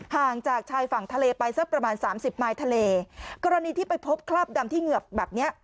ห่างจากชายฝั่งทะเลไปสักประมาณสามสิบมายทะเลกรณีที่ไปพบคราบดำที่เหงือบแบบเนี้ย